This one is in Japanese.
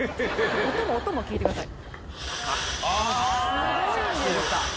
音も聞いてください。